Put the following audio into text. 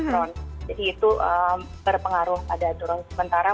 jadi itu berpengaruh pada turun sementara